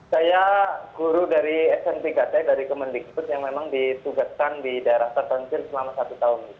saya guru dari snpkt dari kemendikbud yang memang ditugaskan di daerah tertanjir selama satu tahun